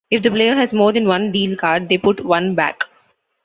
If the player has more than one Deal card, they put "one" back.